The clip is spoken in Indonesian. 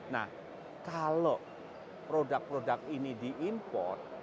nah kalau produk produk ini diimport